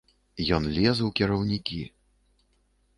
Ён лез у кіраўнікі.